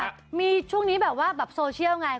มีช่วงนี้แบบว่าแบบโซเชียลไง